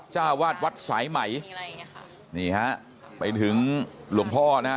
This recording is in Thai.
เจ้าวาดวัดสายไหมนี่ฮะไปถึงหลวงพ่อนะฮะ